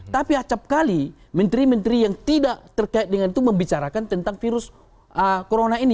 tapi acapkali menteri menteri yang tidak terkait dengan itu membicarakan tentang virus corona ini